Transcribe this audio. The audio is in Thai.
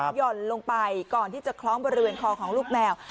ห่อนลงไปก่อนที่จะคล้องบริเวณคอของลูกแมว